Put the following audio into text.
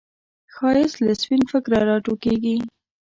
ښایست له سپین فکره راټوکېږي